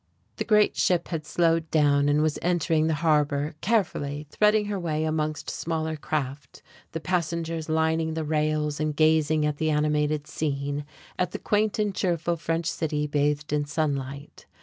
The great ship had slowed down and was entering the harbour, carefully threading her way amongst smaller craft, the passengers lining the rails and gazing at the animated scene, at the quaint and cheerful French city bathed in sunlight....